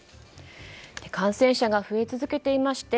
感染者が増え続けてきていました